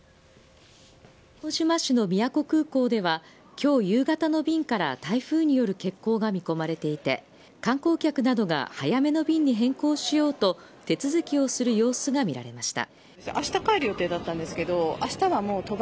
福島市の宮古空港では今日夕方の便から台風による欠航が見込まれていて観光客などが早めの便に変更しようと手続きをする様子が見られました。